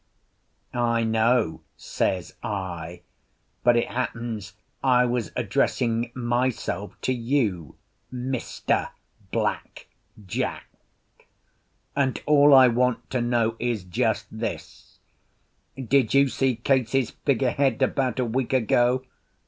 "I know," says I, "but it happens I was addressing myself to you, Mr. Black Jack. And all I want to know is just this: did you see Case's figurehead about a week ago?"